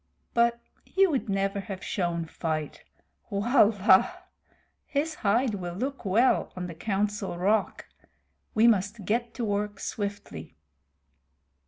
"But he would never have shown fight. His hide will look well on the Council Rock. We must get to work swiftly."